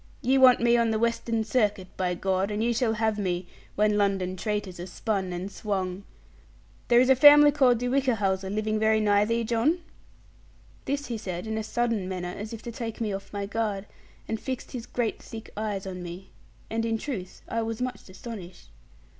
Ye want me on the Western Circuit; by God, and ye shall have me, when London traitors are spun and swung. There is a family called De Whichehalse living very nigh thee, John?' This he said in a sudden manner, as if to take me off my guard, and fixed his great thick eyes on me. And in truth I was much astonished.